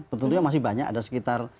tentunya masih banyak ada sekitar